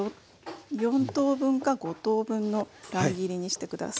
４等分か５等分の乱切りにして下さい。